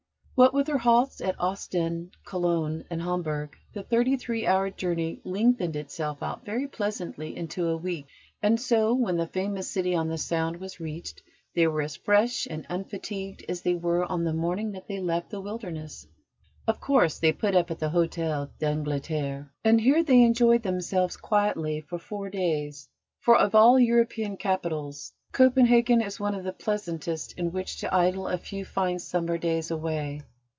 What with their halts at Ostend, Cologne, and Hamburg, the thirty three hour journey lengthened itself out very pleasantly into a week; and so, when the famous city on the Sound was reached, they were as fresh and unfatigued as they were on the morning that they left "The Wilderness." Of course, they put up at the Hôtel d'Angleterre, and here they enjoyed themselves quietly for four days, for of all European capitals, Copenhagen is one of the pleasantest in which to idle a few fine summer days away.